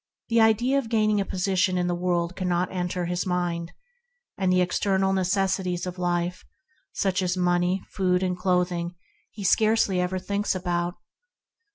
The idea of gaining a position in the world cannot enter his mind, and the external necessities of life, such as money, food and clothing, he scarcely ever thinks about.